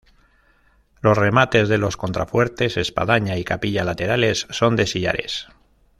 Los remates de los contrafuertes, espadaña y capilla laterales, son de sillares.